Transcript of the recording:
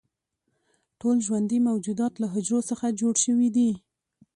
ټول ژوندي موجودات له حجرو څخه جوړ شوي دي